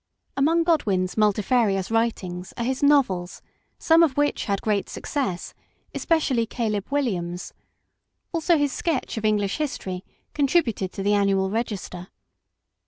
Among Godwin's multi farious writings are his novels, some of which had great success, especially Caleb Williams ; also his sketch of English History, contributed to the Annual Register.